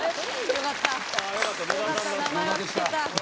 よかった名前は聞けた。